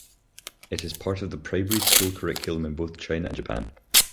It is part of the primary school curriculum in both China and Japan.